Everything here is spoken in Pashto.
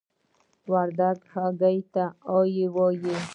وردګ هګۍ ته آګۍ وايي.